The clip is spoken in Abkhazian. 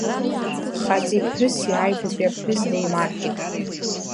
Хаҵеи ԥҳәыси аҩбатәи аԥҳәыс деимаркит.